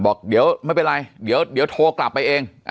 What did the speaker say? บอกเดี๋ยวไม่เป็นไรเดี๋ยวโทรกลับไปเอง